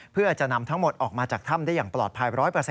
เพื่อจะนำทั้งหมดออกมาจากถ้ำได้อย่างปลอดภัย๑๐๐